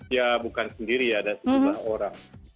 ya bukan sendiri ya ada sejumlah orang